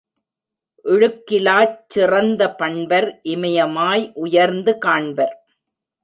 இழுக்கிலாச் சிறந்த பண்பர் இமயமாய் உயர்ந்து காண்பர்.